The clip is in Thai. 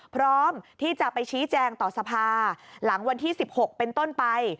พร้อมที่จะไปชี้แจงต่อสภาหลังวันที่๑๖เป็นต้นไป